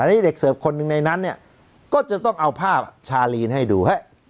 อันนี้เด็กเสิร์ฟคนหนึ่งในนั้นเนี่ยก็จะต้องเอาภาพชาลีนให้ดู